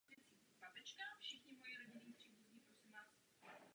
Problém, na který jste mě laskavě upozornila, si dobře uvědomujeme.